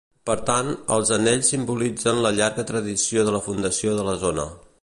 Per tant, els anells simbolitzen la llarga tradició de la fundació de la zona.